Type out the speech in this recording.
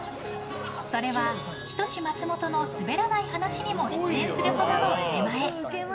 それは「人志松本のすべらない話」にも出演するほどの腕前。